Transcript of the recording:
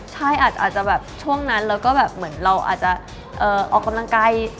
ใช่อาจจะแบบช่วงนั้นแล้วก็แบบเหมือนเราอาจจะออกกำลังกาย